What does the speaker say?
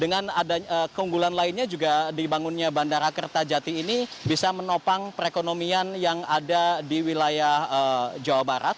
dengan ada keunggulan lainnya juga dibangunnya bandara kertajati ini bisa menopang perekonomian yang ada di wilayah jawa barat